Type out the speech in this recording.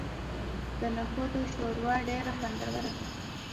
د نخودو شوروا ډیره خوندوره ده.